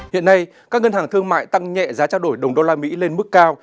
hiện nay các ngân hàng thương mại tăng nhẹ giá trao đổi đồng đô la mỹ lên mức cao